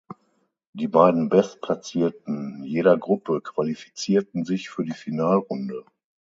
Die beiden Bestplatzierten jeder Gruppe qualifizierten sich für die Finalrunde.